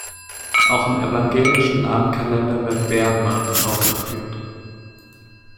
Auch im Evangelischen Namenkalender wird "Bernward" aufgeführt.